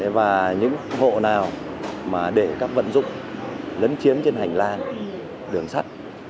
và những hộ nào mà để các vận dụng lấn chiếm trên hành lang đường sắt